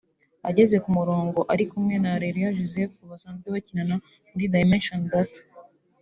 ageze ku murongo ari kumwe na Areruya Joseph basanzwe bakinana muri Dimension Data